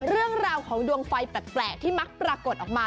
เรื่องราวของดวงไฟแปลกที่มักปรากฏออกมา